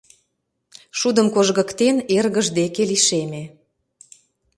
Шудым кожгыктен, эргыж деке лишеме.